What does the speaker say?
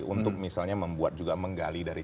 untuk misalnya membuat juga menggali dari